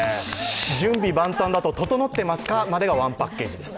準備万端だと整っていますかまでがワンセットです。